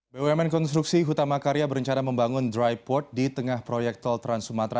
bumn konstruksi hutama karya berencana membangun dry port di tengah proyek tol trans sumatera